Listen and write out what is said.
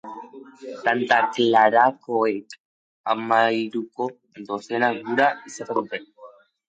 Santa Klarakoek hamahiruko dozena gura izaten dute.